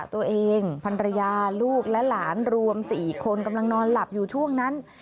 ภรรยาลูกและหลานรวม๔คนกำลังนอนหลับอยู่ช่วงนั้น